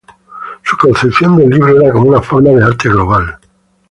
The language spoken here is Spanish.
Su concepción del libro era como una forma de arte global.